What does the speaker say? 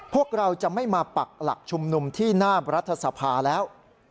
พวกเราจะไม่มาปักหลักชุมนุมที่หน้ารัฐสภาแล้ว